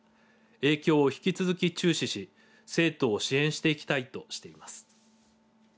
影響を引き続き注視し生徒を支援していきたいとしています。